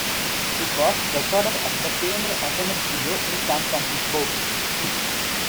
It was recorded at the famed Automatt studio in San Francisco.